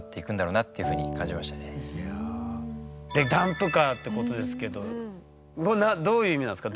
で「ダンプカー」ってことですけどどういう意味なんですか？